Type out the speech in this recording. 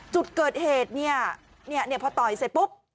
จุดเกิดเหตุเนี่ยพอต่อยเสร็จปุ๊บ